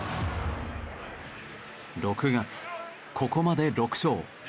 ６月ここまで６勝。